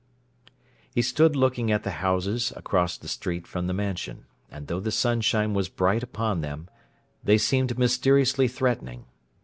He stood looking at the houses across the street from the Mansion; and though the sunshine was bright upon them, they seemed mysteriously threatening.